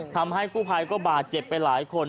ทำให้กู้ภัยก็บาดเจ็บไปหลายคน